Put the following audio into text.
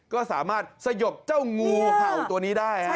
ก็สามารถสยบเจ้างูเห่าตัวนี้ได้